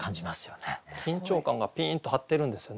緊張感がピーンと張ってるんですよね。